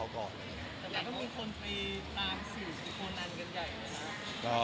แต่มันก็ต้องมีคนฟรีตามสื่อคนนั้นกันใหญ่เลยนะ